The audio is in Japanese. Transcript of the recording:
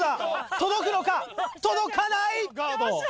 届くのか⁉届かない！